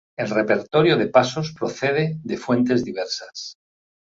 El repertorio de pasos procede de fuentes diversas.